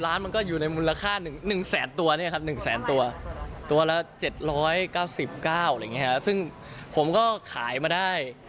๙๐ล้านมันก็อยู่ในมูลค่า๑แสนตัวตัวละ๗๙๙ซึ่งผมก็ขายมาได้